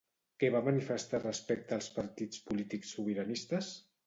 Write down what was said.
Què va manifestar respecte els partits polítics sobiranistes?